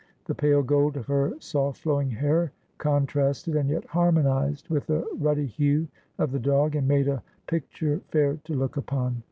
The pale gold of her soft flowing hair contrasted and yet harmonised with the ruddy hue of the dog, and made a picture fair to look upon.